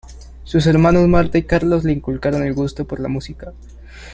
Sus hermanos Marta y Carlos le inculcaron el gusto por la música.